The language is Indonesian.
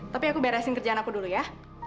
tapi aku beresin kerjaan aku dulu ya